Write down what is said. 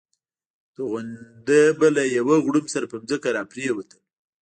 توغندي به له یو غړومب سره پر ځمکه را پرېوتل.